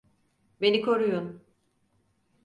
Beni koruyun!